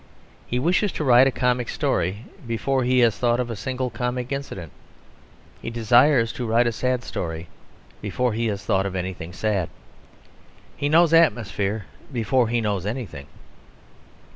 He wishes to write a comic story before he has thought of a single comic incident. He desires to write a sad story before he has thought of anything sad. He knows the atmosphere before he knows anything.